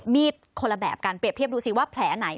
มีคนละแบบกันเปรียบเทียบดูสิว่าแผลไหน